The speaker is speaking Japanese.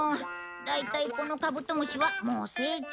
大体このカブトムシはもう成虫。